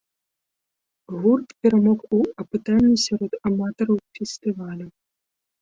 Гурт перамог у апытанні сярод аматараў фестывалю.